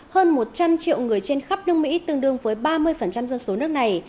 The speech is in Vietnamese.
hơn một trăm linh triệu người trên khắp nước mỹ tương đương với ba mươi dân số nước này